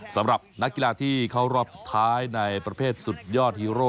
สำหรับนักกีฬาที่เข้ารอบสุดท้ายในประเภทสุดยอดฮีโร่